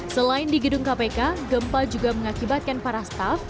selain di gedung kpk gempa juga mengakibatkan para staff